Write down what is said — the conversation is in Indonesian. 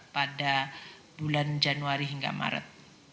pada bulan januari hingga maret